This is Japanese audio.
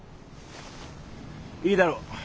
いいだろう。